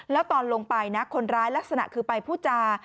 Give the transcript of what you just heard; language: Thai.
แล้วตอนลงไปนะคนร้ายลักษณะคือไปพูดจา